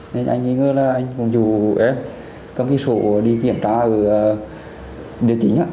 nên anh nghĩ là anh cũng dù em cầm cái sổ đi kiểm tra ở địa chính